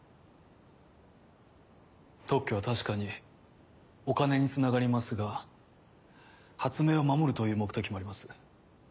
特許は確かにお金につながりますが発明を守るという目的もあります。